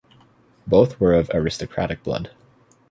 Both were of aristocratic blood.